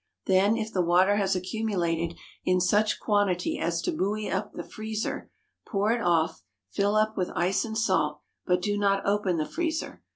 Then, if the water has accumulated in such quantity as to buoy up the freezer, pour it off, fill up with ice and salt, but do not open the freezer.